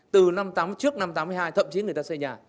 trước năm tám mươi hai thậm chí người ta xây nhà